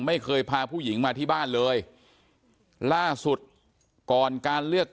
ไม่เคยพาผู้หญิงมาที่บ้านเลยล่าสุดก่อนการเลือก